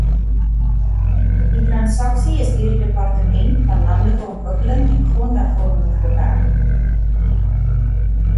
Die transaksie is deur die Departement van Landelike Ontwikkeling en Grondhervorming verwerk.